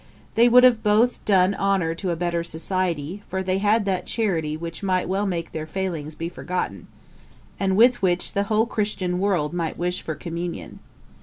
They would have both done honour to a better society, for they had that charity which might well make their failings be forgotten, and with which the whole Christian world might wish for communion.